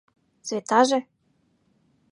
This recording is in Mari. — Светаже?